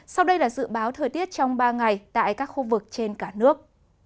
sau đây là dự báo thời tiết trong ba ngày tại các khu vực trên cả nước